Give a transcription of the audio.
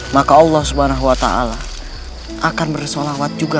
maka allah s w t akan bersholawat juga